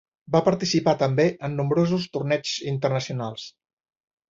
Va participar també en nombrosos torneigs internacionals.